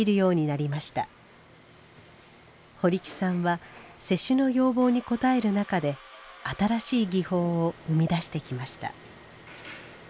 堀木さんは施主の要望に応える中で新しい技法を生み出してきました。